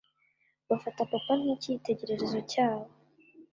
bafata Papa nk’icyitegererezo cyabo